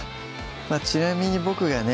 ちなみに僕がね